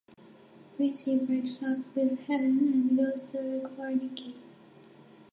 Quincy breaks up with Helen and goes to look for Nicky.